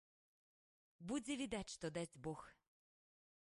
Будзе відаць, што дасць бог.